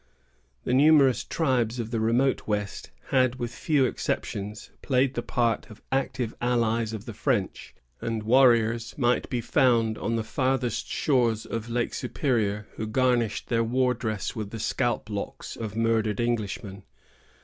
The numerous tribes of the remote west had, with few exceptions, played the part of active allies of the French; and warriors might be found on the farthest shores of Lake Superior who garnished their war dress with the scalp locks of murdered Englishmen.